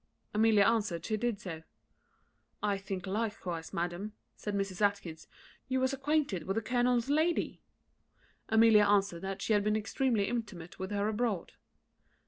Amelia answered, she did so. "I think likewise, madam," said Mrs. Atkinson, "you was acquainted with the colonel's lady?" Amelia answered that she had been extremely intimate with her abroad.